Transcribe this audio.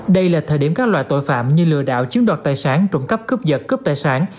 đây là thời điểm các loài tội phạm như lừa đạo chiếm đoạt tài sản trụng cấp cướp vật cướp tài sản